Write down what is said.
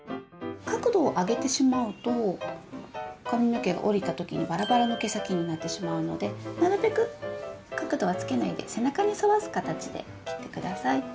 角度を上げてしまうと髪の毛が下りた時にばらばらの毛先になってしまうのでなるべく角度はつけないで背中に沿わす形で切って下さい。